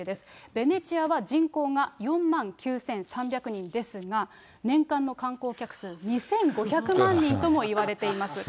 ベネチアは人口が４万９３００人ですが、年間の観光客数２５００万人ともいわれています。